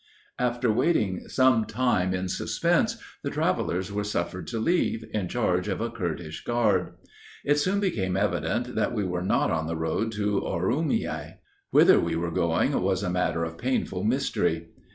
After waiting some time in suspense, the travelers were suffered to leave, in charge of a Kurdish guard: "It soon became evident that we were not on the road to Oroomiah. Whither we were going, was a matter of painful mystery.